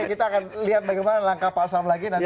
kita akan lihat bagaimana langkah pak sam lagi nanti